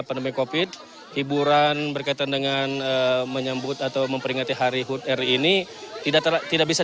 penemik opit hiburan berkaitan dengan menyambut atau memperingati hari hudr ini tidak tidak bisa